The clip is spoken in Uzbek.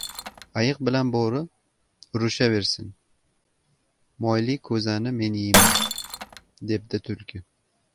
• “Ayiq bilan bo‘ri urushaversin, moyli ko‘zani men yeyman”, ― debdi tulki.